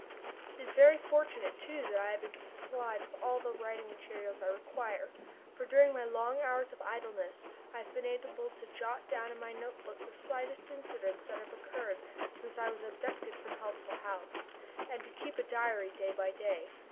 It is very fortunate, too, that I have been supplied with all the writing materials I require, for during my long hours of idleness I have been able to jot down in my notebook the slightest incidents that have occurred since I was abducted from Healthful House, and to keep a diary day by day.